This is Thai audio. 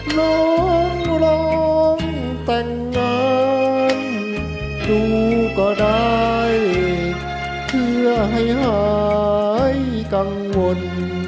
น้องลองแต่งงานดูก็ได้เพื่อให้หายกังวล